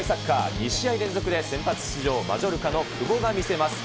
２試合連続で先発出場、マジョルカの久保が見せます。